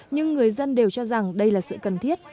nhưng người dân đều cho rằng đây là sự cần thiết